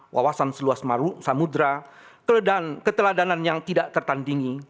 wawasan seluas samudera keteladanan yang tidak tertandingi